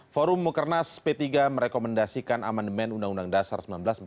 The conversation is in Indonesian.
forum mukernas p tiga merekomendasikan amandemen undang undang dasar seribu sembilan ratus empat puluh lima